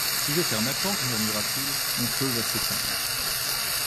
Si je ferme la porte, murmura-t-il, mon feu va s'éteindre.